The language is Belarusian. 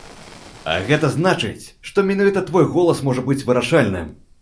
А гэта значыць, што менавіта твой голас можа быць вырашальным!